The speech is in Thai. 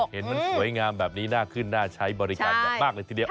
เห็นมันสวยงามแบบนี้น่าขึ้นน่าใช้บริการอย่างมากเลยทีเดียว